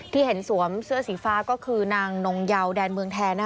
ที่เห็นสวมเสื้อสีฟ้าก็คือนางนงเยาแดนเมืองแทน